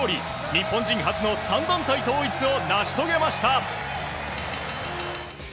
日本人初の３団体統一を成し遂げました。